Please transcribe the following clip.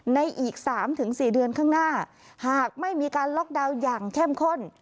ในอีก๓๔เดือนข้างหน้าหากไม่มีการล็อกดาวน์อย่างเข้มข้น